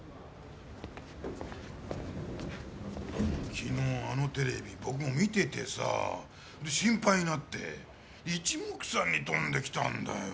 昨日あのテレビ僕も見ててさで心配になって一目散に飛んで来たんだよ。